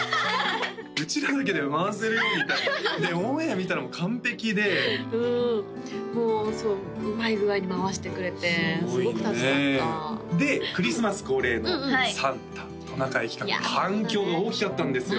「うちらだけで回せるよ」みたいなでオンエア見たらもう完璧でもうそううまい具合に回してくれてすごく助かったでクリスマス恒例のサンタトナカイ企画反響が大きかったんですよ